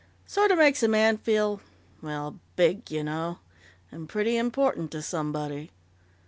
Sort of makes a man feel well, big, you know. And pretty important to somebody!"